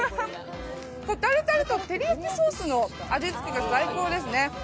タルタルと照焼きソースの味付けが最高ですね！